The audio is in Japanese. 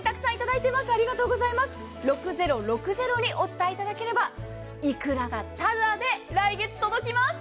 お伝えいただければいくらがタダで来月届きます。